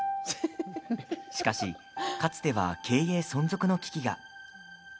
しかしかつては経営存続の危機が。